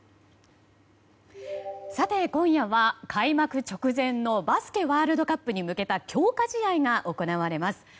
さて、今夜は開幕直前のバスケワールドカップに向けた強化試合が行われます。